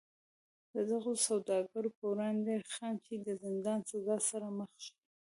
د دغو سوداګرو پر وړاندې خنډ شي د زندان سزا سره مخ شي.